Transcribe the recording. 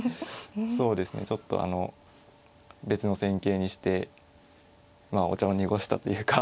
そうですねちょっとあの別の戦型にしてまあお茶を濁したというか。